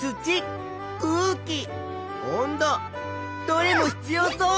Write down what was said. どれも必要そう！